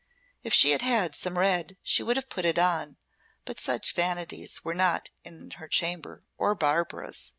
If she had had some red she would have put it on, but such vanities were not in her chamber or Barbara's.